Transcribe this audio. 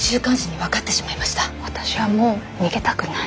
私はもう逃げたくない。